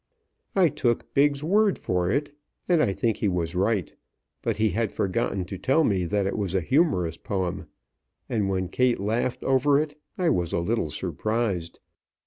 I took Biggs's word for it, and I think he was right; but he had forgotten to tell me that it was a humorous poem, and when Kate laughed over it, I was a little surprised.